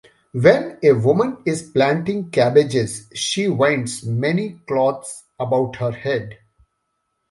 When a woman is planting cabbages, she winds many cloths about her head.